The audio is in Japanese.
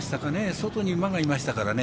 外に馬がいましたからね。